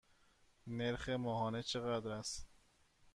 نرخ ماهانه چقدر است؟